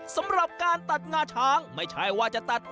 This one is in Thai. สำหรับการตัดงาช้างไม่ใช่ว่าจะกลับแล้วละครับ